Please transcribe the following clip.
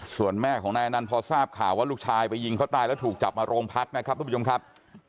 ส่วนแม่ของนายอนันต์พอทราบข่าวว่าลูกชายไปยิงเขาตายแล้วถูกจับมาโรงพักนะครับทุกผู้ชมครับ